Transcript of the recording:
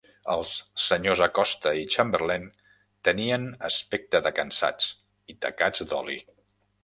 Els senyors Acosta i Chamberlain tenien aspecte de cansats i tacats d'oli.